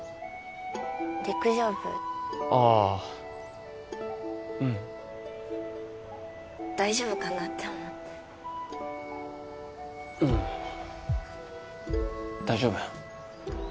陸上部ああうん大丈夫かなって思ってうん大丈夫